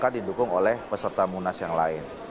dan didukung oleh peserta munas yang lain